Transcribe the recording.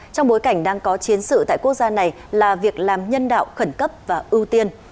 trong bối cảnh đang có chiến sự tại quốc gia này là việc làm nhân đạo khẩn cấp và ưu tiên